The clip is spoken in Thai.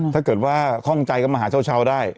ถ้าเกิดว่าคล่องใจก็มาหาเช้าได้